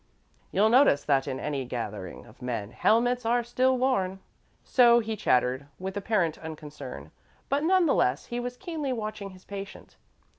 You'll notice that in any gathering of men, helmets are still worn." So he chattered, with apparent unconcern, but, none the less, he was keenly watching his patient.